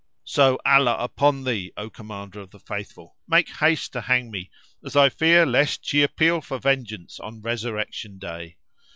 So Allah upon thee, O Commander of the Faithful, make haste to hang me, as I fear lest she appeal for vengeance on Resurrection Day.